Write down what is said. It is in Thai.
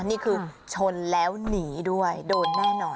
นี่คือชนแล้วหนีด้วยโดนแน่นอน